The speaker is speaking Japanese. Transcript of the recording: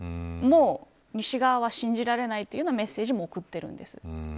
もう西側は信じられないというようなメッセージも送っているんです。